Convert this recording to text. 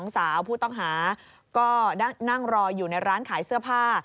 สาวผู้ต้องหาก็นั่งรออยู่ในร้านขายเสื้อผ้า